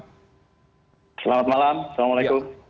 selamat malam assalamualaikum